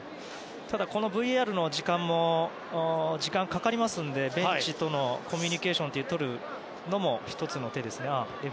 ただ、このＶＡＲは時間がかかりますのでベンチとのコミュニケーションをとるのも１つの手ですね。